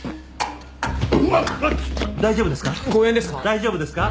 大丈夫ですか！？